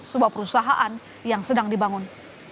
sebuah perusahaan yang sedang dibangun